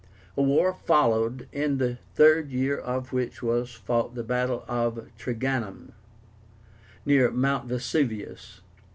A war followed, in the third year of which was fought the battle of Trigánum, near Mount Vesuvius.